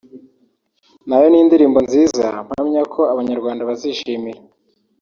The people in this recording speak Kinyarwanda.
nayo ni indirimbo nziza mpamya ko abanyarwanda bazishimira